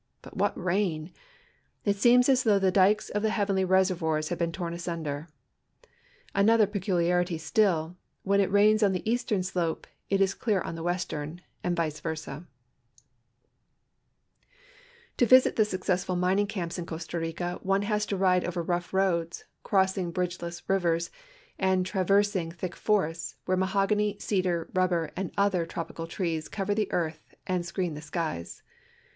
But what rain ! It seems as though the dikes of the heavenly reservoirs had been torn asunder. An other peculiarity still, when it rains on the eastern slope it is clear on the western, and vice versa. cc.b'yvi A'yr.i 151 To visit the successful nnningciinips in Costa Rica one luis to ride over rougli roads, crossing bridgeless rivers, and traversing tliick forests, where nialiogany, cedar, ruhl)er, an<l other trop ical trees cover the earth and screen the skies.